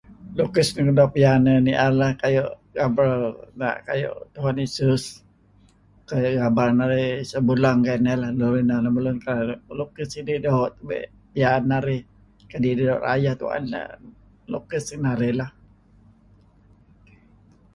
Lukis nik doo' piyan uih nier iah lah lukis gaber kuayu' Tuhan Yesus kayu' aban narih iyeh sebulang kayu' inah. Neh inan lun lukis idih kadi' doo' piyan narih kadi' dih doo' rayeh tuen dah nah lukis narih lah.